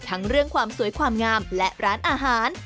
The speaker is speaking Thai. เรื่องความสวยความงามและร้านอาหาร